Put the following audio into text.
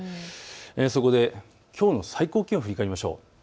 そこできょうの最高気温を振り返りましょう。